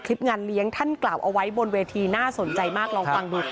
คลิปงานเลี้ยงท่านกล่าวเอาไว้บนเวทีน่าสนใจมากลองฟังดูค่ะ